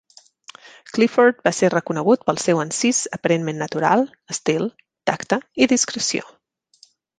Clifford va ser reconegut pel seu encís aparentment natural, estil, tacte i discreció.